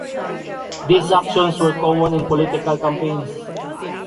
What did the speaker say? This actions were common in political campaigns.